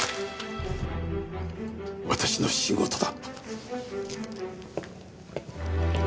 私の仕事だ。